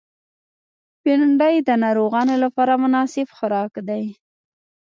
بېنډۍ د ناروغانو لپاره مناسب خوراک دی